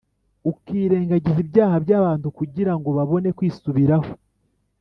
ukirengagiza ibyaha by’abantu kugira ngo babone kwisubiraho.